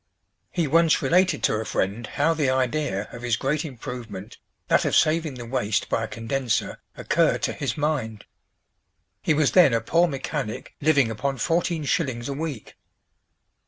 He once related to a friend how the idea of his great improvement, that of saving the waste by a condenser, occurred to his mind. He was then a poor mechanic living upon fourteen shillings a week.